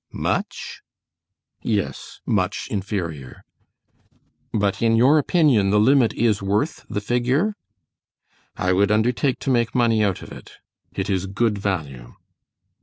"Much?" "Yes, much inferior." "But in your opinion the limit is worth the figure?" "I would undertake to make money out of it; it is good value."